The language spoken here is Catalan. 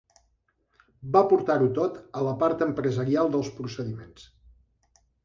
Va portar-ho tot a la part empresarial dels procediments.